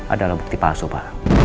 adalah bukti palsu pa